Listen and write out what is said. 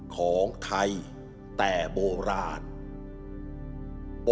ของคุณแล้วนะครับ